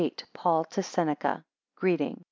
PAUL to SENECA Greeting.